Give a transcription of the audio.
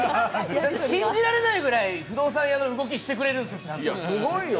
信じられないぐらい不動産屋の動きしてくれるんですよ。